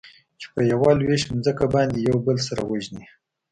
چې په يوه لوېشت ځمکه باندې يو بل سره وژني.